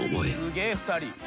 すげえ２人。